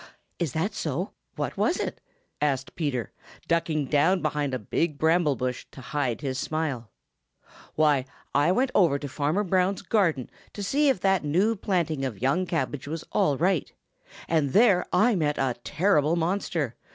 "Is that so? What was it?" asked Peter, ducking down behind a big bramble bush to hide his smile. "Why, I went over to Farmer Brown's garden to see if that new planting of young cabbage was all right, and there I met a terrible monster.